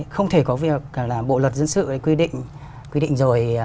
không thể có việc là bộ luật dân sự quy định rồi